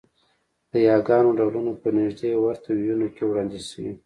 د یاګانو ډولونه په نږدې ورته وییونو کې وړاندې شوي